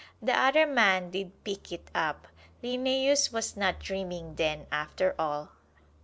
The other man did pick it up! Linnæus was not dreaming, then, after all!